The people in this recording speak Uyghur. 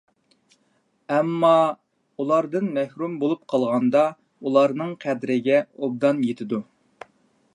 ئەمما، ئۇلاردىن مەھرۇم بولۇپ قالغاندا ئۇلارنىڭ قەدرىگە ئوبدان يېتىدۇ.